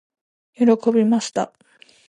喜びました。